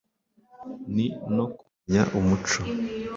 ni no kumenya umuco,